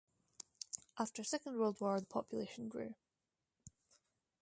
After Second World War the population grew.